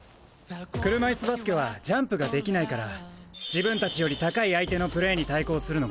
車いすバスケはジャンプができないから自分たちより高い相手のプレーに対抗するのが難しいんだ。